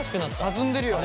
弾んでるよね。